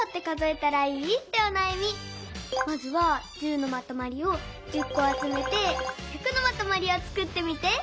まずは１０のまとまりを１０こあつめて「１００」のまとまりをつくってみて。